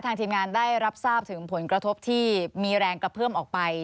ทีมงานได้รับทราบถึงผลกระทบที่มีแรงกระเพื่อมออกไป